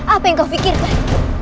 apa yang kau fikirkan